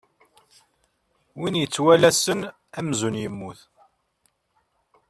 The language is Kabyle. Win yettwalasen amzun yemmut.